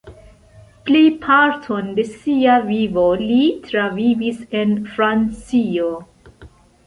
Plejparton de sia vivo li travivis en Francio.